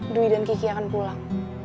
dwi dan kiki akan pulang